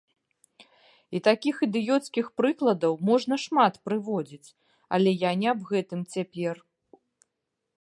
І такіх ідыёцкіх прыкладаў можна шмат прыводзіць, але я не аб гэтым цяпер.